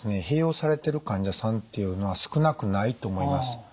併用されてる患者さんっていうのは少なくないと思います。